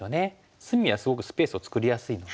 隅はすごくスペースを作りやすいので。